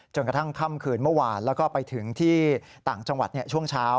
กระทั่งค่ำคืนเมื่อวานแล้วก็ไปถึงที่ต่างจังหวัดช่วงเช้า